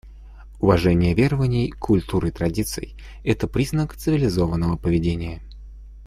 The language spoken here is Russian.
Уважение верований, культур и традиций — это признак цивилизованного поведения.